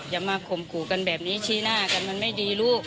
อย่ามาข่มขู่กันแบบนี้ชี้หน้ากันมันไม่ดีลูก